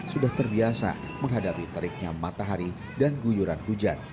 sudah terbiasa menghadapi teriknya matahari dan guyuran hujan